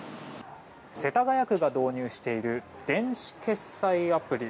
世田谷区が導入している電子決済アプリ